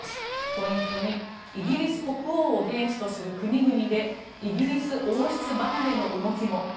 ポイント２、イギリス国王を元首とする国々でイギリス王室離れの動きも。